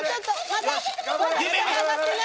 まだ下が上がってない。